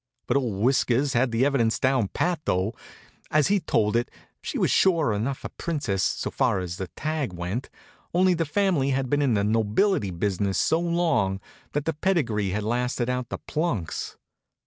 But old whiskers had the evidence down pat, though. As he told it, she was a sure enough princess, so far as the tag went, only the family had been in the nobility business so long that the pedigree had lasted out the plunks.